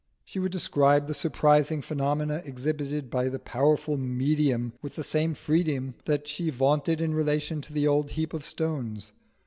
She would describe the surprising phenomena exhibited by the powerful Medium with the same freedom that she vaunted in relation to the old heap of stones.